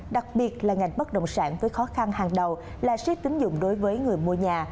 đặc biệt là ngành bất động sản với khó khăn hàng đầu là xét tính dụng đối với người mua nhà